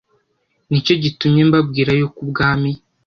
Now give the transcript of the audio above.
ni cyo gitumye mbabwira yuko ubwami